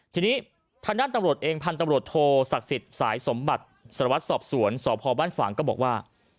ทีนี้ทางด้านตำรวจเองพันธุ์ตำรวจโทศักดิ์สิทธิ์สายสมบัติสารวัตรสอบสวนสพบ้านฝ่างก็บอกว่า